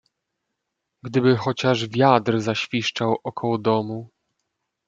"Gdyby chociaż wiatr zaświszczał około domu!"